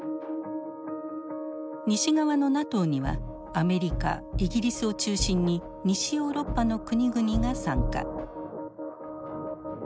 西側のＮＡＴＯにはアメリカイギリスを中心に西ヨーロッパの国々が参加。